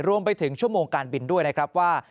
รวมไปถึงชั่วโมงการบินด้วยนะครับว่า